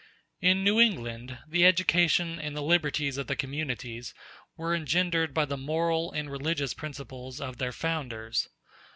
In New England the education and the liberties of the communities were engendered by the moral and religious principles of their founders.